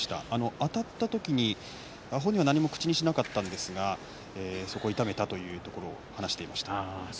あたった時に本人は何も口にしなかったんですがそこを痛めたということを話していました。